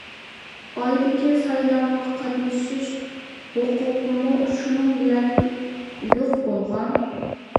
ئايدىكى سايلامغا قاتنىشىش ھوقۇقىمۇ شۇنىڭ بىلەن يوق بولغان.